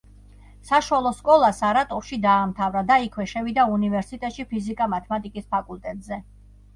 საშუალო სკოლა სარატოვში დაამთავრა და იქვე შევიდა უნივერსიტეტში ფიზიკა-მათემატიკის ფაკულტეტზე.